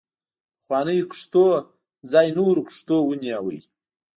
پخوانیو کښتونو ځای نورو کښتونو ونیوه.